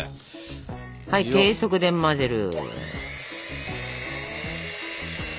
はい低速で混ぜる。